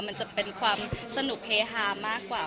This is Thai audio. มันจะเป็นความสนุกเฮฮามากกว่า